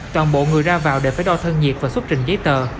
toàn bộ người ra vào đều phải đo thân nhiệt và xuất trình giấy tờ